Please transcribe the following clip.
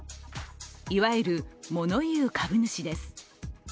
いわゆる、物言う株主です。